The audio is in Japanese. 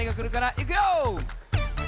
いくよ！